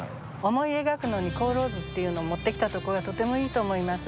思い描くのに「航路図」っていうのを持ってきたところがとてもいいと思います。